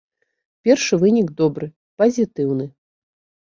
Першы вынік добры, пазітыўны.